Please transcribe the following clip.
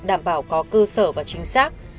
đảm bảo có cơ sở và chính xác